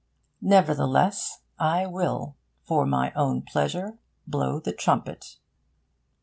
Nevertheless, I will, for my own pleasure, blow the trumpet.